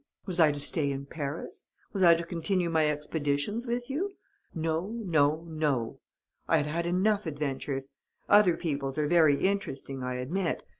Was I to stay in Paris? Was I to continue my expeditions with you? No, no, no! I had had enough adventures! Other people's are very interesting, I admit.